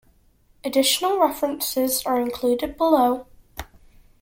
Additional references are included below.